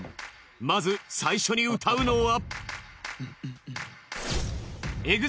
まず最初に歌うのは。